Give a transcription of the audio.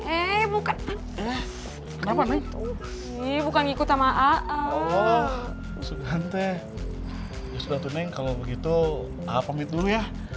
eh bukan ngikut sama aa ya sudah tuh neng kalau begitu aa pamit dulu ya